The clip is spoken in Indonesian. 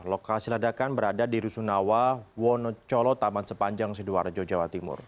lokasi ledakan berada di rusunawa wonocolo taman sepanjang sidoarjo jawa timur